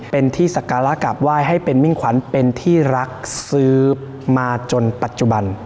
เป็นที่สการะกลับไหว้ให้เป็นมิ่งขวัญเป็นที่รักซื้อมาจนปัจจุบัน